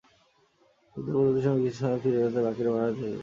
যুদ্ধ পরবর্তী সময়ে কিছু শরণার্থী ফিরে গেলেও বাকিরা ভারতেই থেকে যান।